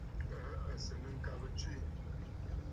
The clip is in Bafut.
Kaa à sɨ̀ nɨ̂ ŋ̀kabə tswê.